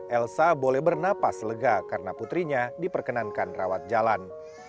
elsa boleh bernapas lega karena putrinya diperkenankan rawat jalan